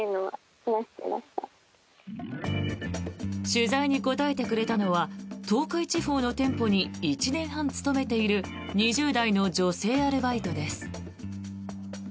取材に答えてくれたのは東海地方の店舗に１年半勤めている２０代の女性アルバイトです。